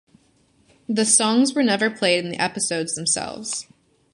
The songs were never played in the episodes themselves.